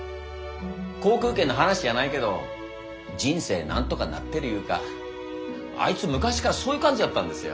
航空券の話やないけど人生なんとかなってるいうかあいつ昔からそういう感じやったんですよ。